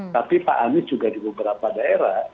tapi pak anies juga di beberapa daerah